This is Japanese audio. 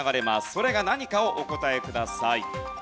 それが何かをお答えください。